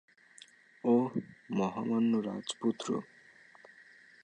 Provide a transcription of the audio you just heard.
ওহ, মহামান্য রাজপুত্র।